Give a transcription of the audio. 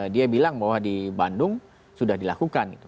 dia bilang bahwa di bandung sudah dilakukan gitu